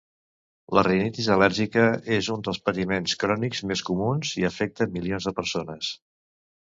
La rinitis al·lèrgica és un dels patiments crònics més comuns i afecta milions de persones.